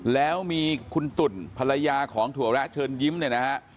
แล้วมีคุณตุ่นภรรยาของถั่วแระเชิญยิ้มเนี่ยนะฮะ